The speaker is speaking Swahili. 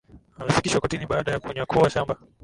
Alifikishwa kortini baada ya kunyakua shamba